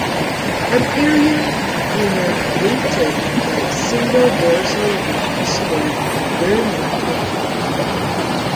An area innervated by a single dorsal root is called a dermatome.